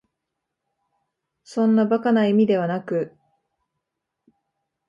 そんな馬鹿な意味ではなく、